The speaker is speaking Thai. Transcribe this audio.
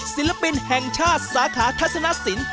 ศิลปินแห่งชาติสาขาทัศนสิน